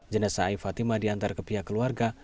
jendesa ai fatimah diantar ke pihak keluarga